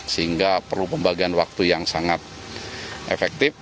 sehingga perlu pembagian waktu yang sangat efektif